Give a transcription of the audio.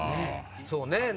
そうね。